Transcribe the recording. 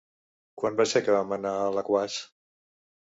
Quan va ser que vam anar a Alaquàs?